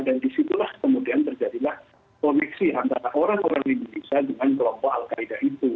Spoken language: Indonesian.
dan disitulah kemudian terjadilah koneksi antara orang orang di indonesia dengan kelompok al qaeda itu